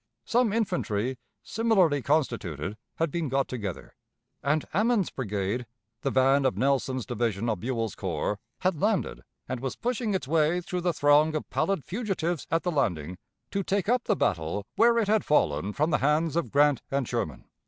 Some infantry, similarly constituted, had been got together; and Ammen's brigade, the van of Nelson's division of Buell's corps, had landed, and was pushing its way through the throng of pallid fugitives at the landing to take up the battle where it had fallen from the hands of Grant and Sherman.